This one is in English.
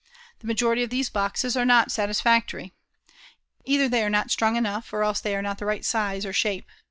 The majority of these boxes are not satisfactory. Either they are not strong enough or else they are not the right size or shape.